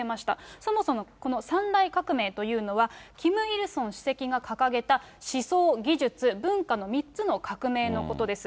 そもそもこの三大革命というのは、キム・イルソン主席が掲げた思想、技術、文化の３つの革命のことです。